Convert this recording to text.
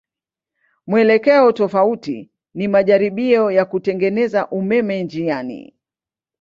Mwelekeo tofauti ni majaribio ya kutengeneza umeme njiani.